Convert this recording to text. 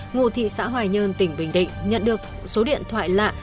ngụ thị xã hoài nhơn tỉnh bình định nhận được số điện thoại lạ